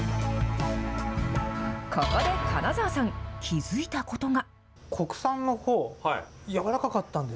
ここで金澤さん気付いたことが。